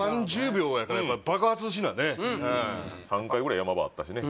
３０秒やからやっぱ爆発しなね３回ぐらいヤマ場あったしね